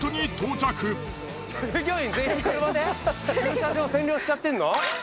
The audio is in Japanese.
駐車場占領しちゃってんの！？